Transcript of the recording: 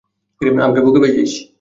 আমাকে বোকা পেয়েছিস?